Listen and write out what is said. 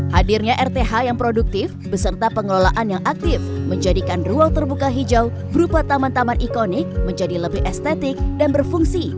hadirnya rth yang produktif beserta pengelolaan yang aktif menjadikan ruang terbuka hijau berupa taman taman ikonik menjadi lebih estetik dan berfungsi